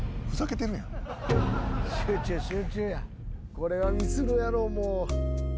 これはミスるやろもう。